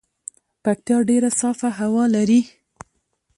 پکتيا ډیره صافه هوا لري